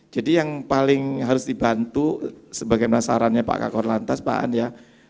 jadi yang paling harus dibantu sebagai penasarannya pak kak korn lantas pak an ya